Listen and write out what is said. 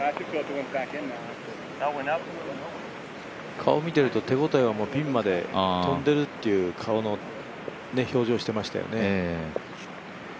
顔見てると手応えはピンまで飛んでるっていう表情してましたよね。